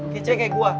kece kayak gua